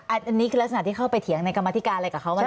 อันนี้คือลักษณะที่เข้าไปเถียงในกรรมธิการอะไรกับเขา